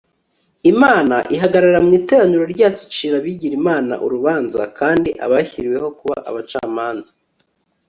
Imana ihagarara mu iteraniro ryayo icira abigira imana urubanza Kandi abashyiriweho kuba abacamanza